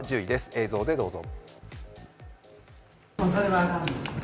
映像でどうぞ。